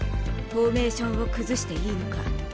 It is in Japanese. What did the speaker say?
フォーメーションを崩していいのか？